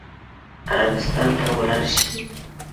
عربستان ته ولاړ شي.